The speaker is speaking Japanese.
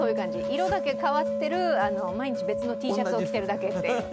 色だけ変わってる、毎日別のＴシャツを着てるだけという。